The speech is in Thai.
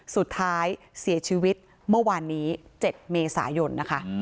สุดท้ายเสียชีวิตเมื่อวานนี้๗เมษายนนะคะ